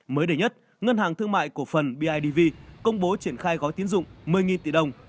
mới đây nhất ngân hàng thương mại cổ phần bidv công bố triển khai gói tiến dụng một mươi tỷ đồng